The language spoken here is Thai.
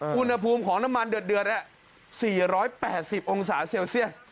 อืมอุณหภูมิของน้ำมันเดือดเดือดอะสี่ร้อยแปดสิบองศาเซลเซียส